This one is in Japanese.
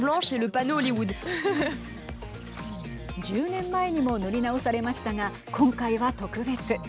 １０年前にも塗り直されましたが今回は特別。